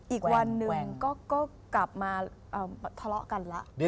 อีกวันหนึ่งก็กลับมาทะเลาะกันแล้ว